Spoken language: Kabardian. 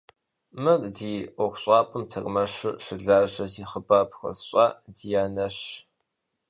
Мыр ди ӏуэхущӏапӏэм тэрмэшу щылажьэ, зи хъыбар пхуэсщӏа Дианэщ.